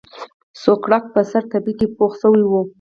سوکړک په سره تبۍ کې پوخ شوی و.